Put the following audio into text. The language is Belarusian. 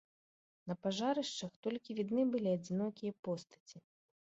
На пажарышчах толькі відны былі адзінокія постаці.